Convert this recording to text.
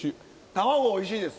卵おいしいです。